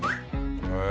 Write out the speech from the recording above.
へえ。